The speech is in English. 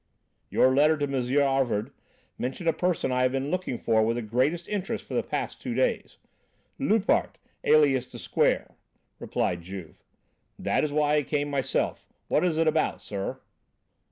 "Your letter to M. Havard mentioned a person I have been looking for with the greatest interest for the past two days. Loupart, alias 'The Square,'" replied Juve, "that is why I came myself. What is it about, sir?"